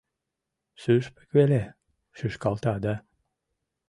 Шӱшпык веле шӱшкалта да.